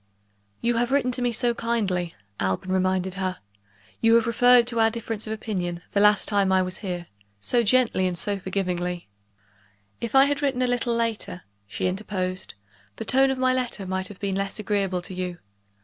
"You have written to me so kindly," Alban reminded her; "you have referred to our difference of opinion, the last time I was here, so gently and so forgivingly " "If I had written a little later," she interposed, "the tone of my letter might have been less agreeable to you.